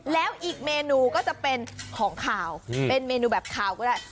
แล้วอีกเมนูก็จะเป็นของขาวเป็นเมนูแบบคาวก็ได้